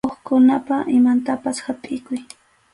Hukkunapa imantapas hapʼikuy.